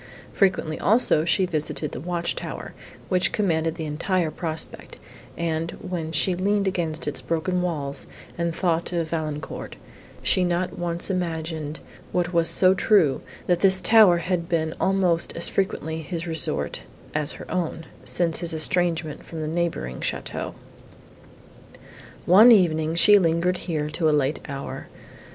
Frequently, also, she visited the watch tower, which commanded the entire prospect, and, when she leaned against its broken walls, and thought of Valancourt, she not once imagined, what was so true, that this tower had been almost as frequently his resort, as her own, since his estrangement from the neighbouring château. One evening, she lingered here to a late hour.